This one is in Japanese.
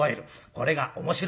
これが面白い。